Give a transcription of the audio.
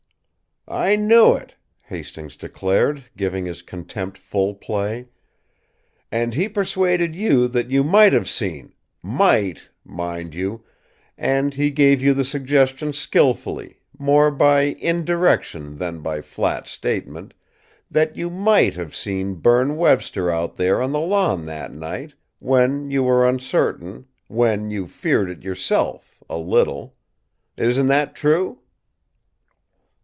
"I knew it!" Hastings declared, giving his contempt full play. "And he persuaded you that you might have seen might, mind you and he gave you the suggestion skilfully, more by indirection than by flat statement that you might have seen Berne Webster out there on the lawn that night, when you were uncertain, when you feared it yourself a little. Isn't that true?"